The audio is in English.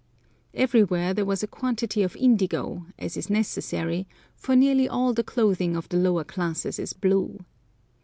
Everywhere there was a quantity of indigo, as is necessary, for nearly all the clothing of the lower classes is blue.